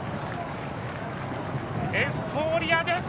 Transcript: エフフォーリアです！